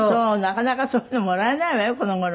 なかなかそういうのもらえないわよこの頃。